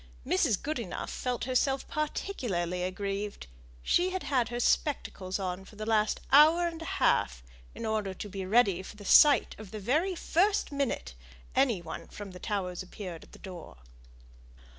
Mrs. Goodenough felt herself particularly aggrieved; she had had her spectacles on for the last hour and a half, in order to be ready for the sight the very first minute any one from the Towers appeared at the door.